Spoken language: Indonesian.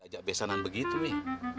ajak besanan begitu nih